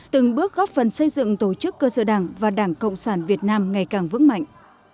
từng bước góp phần xây dựng tổ chức cơ sở đảng và đảng cộng sản việt nam ngày càng vững mạnh